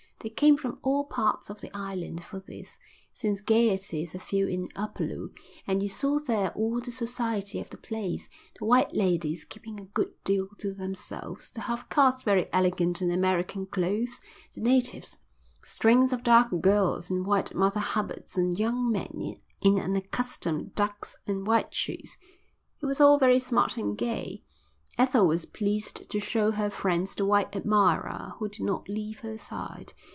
They came from all parts of the island for this, since gaieties are few in Upolu; and you saw there all the society of the place, the white ladies keeping a good deal to themselves, the half castes very elegant in American clothes, the natives, strings of dark girls in white Mother Hubbards and young men in unaccustomed ducks and white shoes. It was all very smart and gay. Ethel was pleased to show her friends the white admirer who did not leave her side.